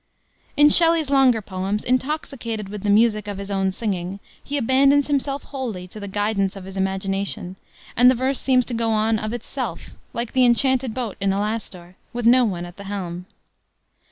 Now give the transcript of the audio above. In Shelley's longer poems, intoxicated with the music of his own singing, he abandons himself wholly to the guidance of his imagination, and the verse seems to go on of itself, like the enchanted boat in Alastor, with no one at the helm.